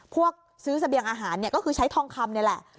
ซื้อเสบียงอาหารเนี่ยก็คือใช้ทองคำนี่แหละ